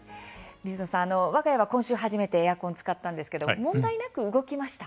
水野さん、わが家は今週初めてエアコンを使ったんですが問題なく動きました。